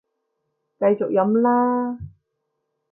繼續飲啦